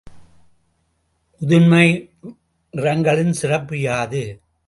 முதன்மை நிறங்களின் சிறப்பு யாது?